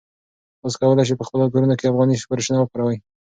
تاسي کولای شئ په خپلو کورونو کې افغاني فرشونه وکاروئ.